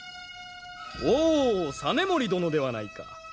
おう実盛殿ではないか。